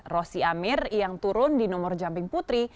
rosy amir yang turun di nomor jamping putri